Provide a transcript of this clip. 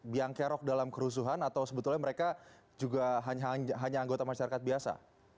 biangkerok dalam kerusuhan atau sebetulnya mereka juga hanya anggota masyarakat biasa